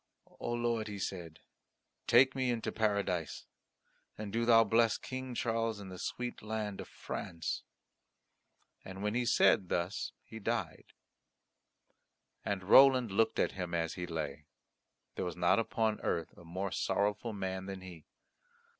"O Lord," he said, "take me into Paradise. And do Thou bless King Charles and the sweet land of France." And when he had said thus he died. And Roland looked at him as he lay. There was not upon earth a more sorrowful man than he.